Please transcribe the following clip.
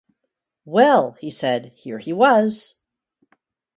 Well, he said, here he was!